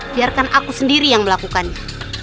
biarkan aku sendiri yang melakukannya